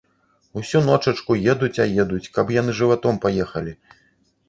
Усю ночачку едуць а едуць, каб яны жыватом паехалі.